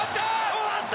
終わった！